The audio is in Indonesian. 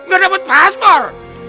gak dapet paspor